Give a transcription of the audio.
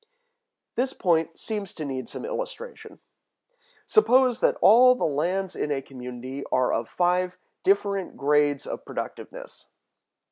This point seems to need some illustration. Suppose that all the lands in a community are of five different grades of productiveness.